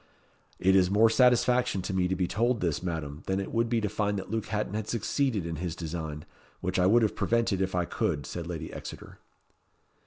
"It is more satisfaction to me to be told this, Madam, than it would be to find that Luke Hatton had succeeded in his design, which I would have prevented if I could," said Lady Exeter.